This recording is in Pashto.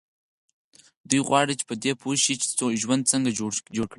دوی غواړي پر دې پوه شي چې ژوند څنګه جوړ کړي.